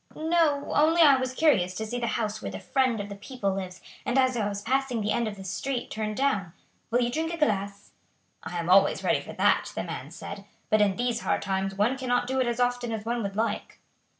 "No; only I was curious to see the house where the friend of the people lives, and as I was passing the end of the street turned down. Will you drink a glass?" "I am always ready for that," the man said, "but in these hard times one cannot do it as often as one would like."